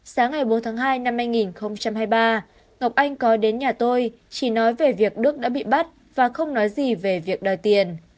sáng ngày bốn tháng hai năm hai nghìn hai mươi ba ngọc anh có đến nhà tôi chỉ nói về việc đức đã bị bắt và không nói gì về việc đòi tiền